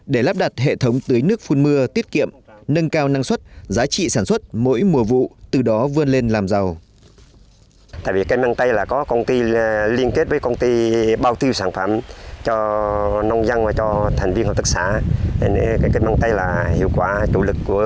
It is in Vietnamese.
để lắp đặt hệ thống tưới nước phun mưa tiết kiệm nâng cao năng suất giá trị sản xuất mỗi mùa vụ từ đó vươn lên làm giàu